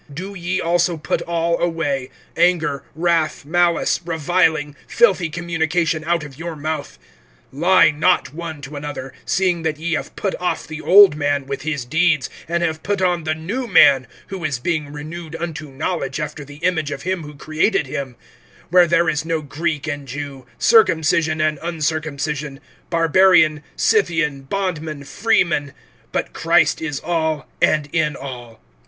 (8)But now, do ye also put all away, anger, wrath, malice, reviling, filthy communication out of your mouth. (9)Lie not one to another, seeing that ye have put off the old man with his deeds, (10)and have put on the new man, who is being renewed unto knowledge after the image of him who created him; (11)where there is no Greek and Jew, circumcision and uncircumcision, Barbarian, Scythian, bondman, freeman; but Christ is all, and in all.